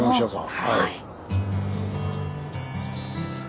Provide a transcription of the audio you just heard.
はい。